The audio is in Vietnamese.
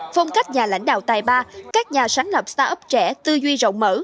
phong cách nhà lãnh đạo tài ba các nhà sáng lập start up trẻ tư duy rộng mở